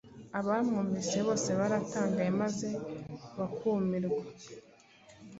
abamwumvise bose baratangaye maze bakumirwa